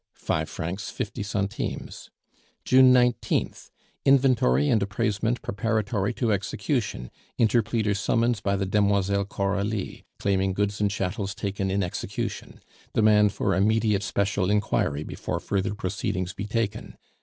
........... 5 50 " 19th Inventory and appraisement preparatory to execution; interpleader summons by the Demoiselle Coralie, claiming goods and chattels taken in execution; demand for immediate special inquiry before further proceedings be taken